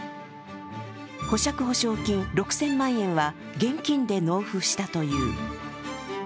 保釈保証金６０００万円は現金で納付したという。